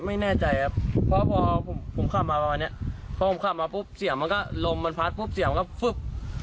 ไม่แน่ใจครับเพราะพอผมขับมาประมาณเนี้ยพอผมขับมาปุ๊บเสียงมันก็ลมมันพัดปุ๊บเสียงมันก็ฟึบ